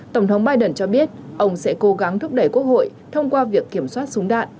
tổng thống biden cho biết ông sẽ cố gắng thúc đẩy quốc hội thông qua việc kiểm soát súng đạn